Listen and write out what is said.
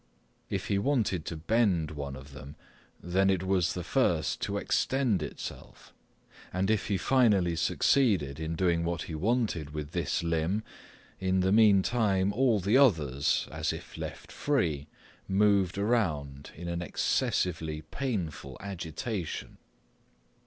If he wanted to bend one of them, then it was the first to extend itself, and if he finally succeeded doing what he wanted with this limb, in the meantime all the others, as if left free, moved around in an excessively painful agitation.